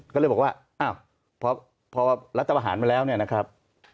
ก็เลยบอกว่าอ้าวพอรัฐประหารมาแล้วเนี่ยนะครับ